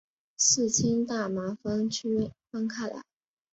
四氢大麻酚区分开来。